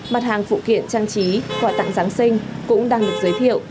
mặt hàng phụ kiện trang trí quà tặng giáng sinh cũng đang được giới thiệu